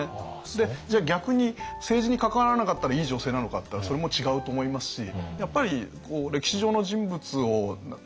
でじゃあ逆に政治に関わらなかったらいい女性なのかっていったらそれも違うと思いますしやっぱり歴史上の人物を何て言うんでしょう。